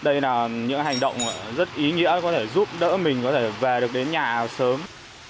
đây là những hành động rất ý nghĩa có thể giúp đỡ mình có thể về được đến nhà sớm